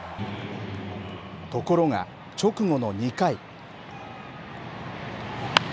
ところが直後の２回。